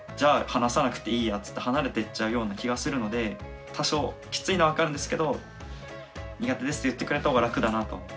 話さなくていいやっつって離れていっちゃうような気がするので多少きついのは分かるんですけど「苦手です」って言ってくれた方が楽だなと。